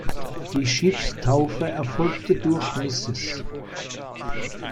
Die Schiffstaufe erfolgte durch Mrs.